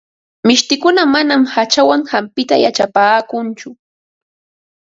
Mishtikuna manam hachawan hampita yachapaakunchu.